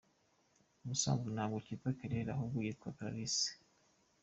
Ubusanzwe ntabwo yitwa Claire ahubwo yitwa Clarisse.